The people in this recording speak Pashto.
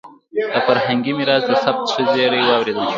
د فرهنګي میراث د ثبت ښه زېری واورېدل شو.